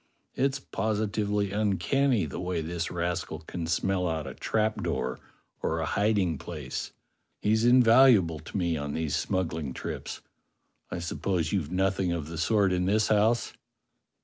It's positively uncanny the way this CLEGG THE BUCCANEER 51 rascal can smell out a trapdoor or a hiding place. He's invaluable to me on these smuggling trips. I suppose you've nothing of the sort in this house.